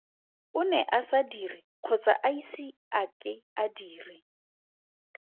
O ne a sa dire kgotsa a ise a ke a dire.